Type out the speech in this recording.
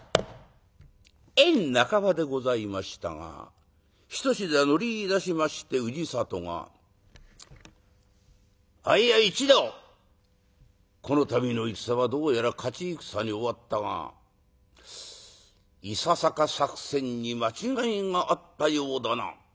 宴半ばでございましたが一膝乗りいだしまして氏郷が「あいや一同この度の戦はどうやら勝ち戦に終わったがいささか作戦に間違えがあったようだな」。